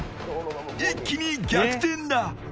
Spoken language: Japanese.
一気に逆転だ。